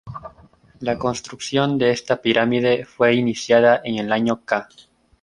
La construcción de esta pirámide fue iniciada en el año ca.